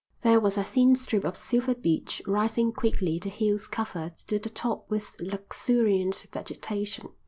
There was a thin strip of silver beach rising quickly to hills covered to the top with luxuriant vegetation.